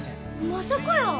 まさかやー。